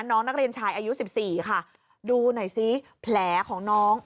น้องนักเรียนชายอายุสิบสี่ค่ะดูหน่อยซิแผลของน้อง